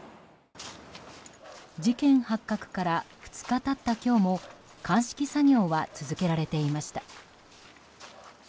事件発覚から２日経った今日も鑑識作業は続けられていました。